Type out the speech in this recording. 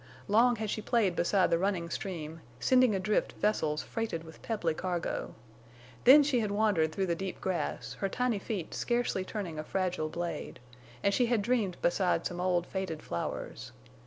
Long had she played beside the running stream sending adrift vessels freighted with pebbly cargo. Then she had wandered through the deep grass, her tiny feet scarcely turning a fragile blade, and she had dreamed beside some old faded flowers.